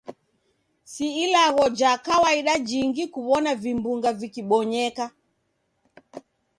Si ilagho ja kawaida jingi kuw'ona vimbunga vikibonyeka.